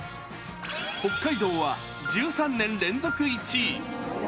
北海道は１３年連続１位。